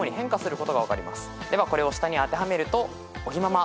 ではこれを下に当てはめると尾木ママ